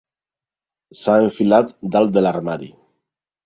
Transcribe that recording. S'ha enfilat dalt de l'armari.